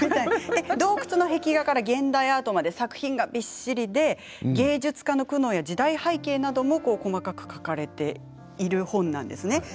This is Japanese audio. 洞窟の壁画から現代アートまでびっしりと芸術家の苦悩や時代背景まで細かく書かれている本なんですね。